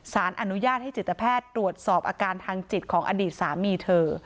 สารอนุญาตให้จิตแพทย์ตรวจสอบอาการทางจิตของอดีตสามีเธอ